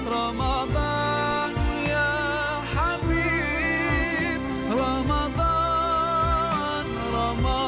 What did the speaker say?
สวัสดีครับ